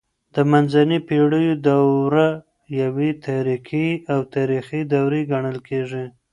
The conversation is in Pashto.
د منځنۍ پیړیو دوره یوې تاريکي او تاریخي دورې ګڼل کیږي.